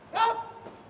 z paten audi